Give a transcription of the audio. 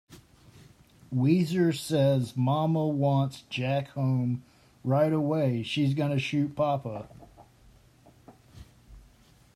Wheezer says Mama wants Jack home right away; she's gonna shoot Papa!